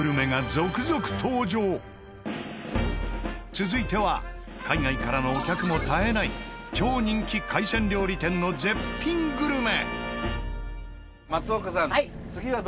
続いては海外からのお客も絶えない超人気海鮮料理店の絶品グルメ。